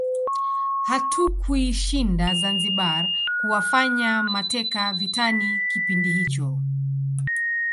Hatukuishinda Zanzibar kuwafanya mateka vitani kipindi hicho